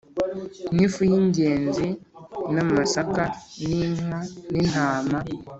n’ifu y’ingenzi n’amasaka, n’inka n’intama,